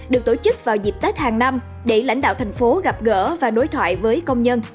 được tổ chức vào dịp tết hàng năm để lãnh đạo thành phố gặp gỡ và đối thoại với công nhân